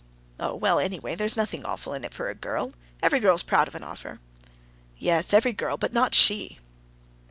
"Oh, well, anyway there's nothing awful in it for a girl. Every girl's proud of an offer." "Yes, every girl, but not she."